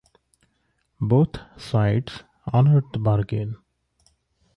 Both sides honored the bargain.